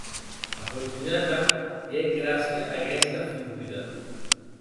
A Fortunata li hec gràcia aguesta figura.